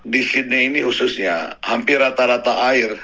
di sydney ini khususnya hampir rata rata air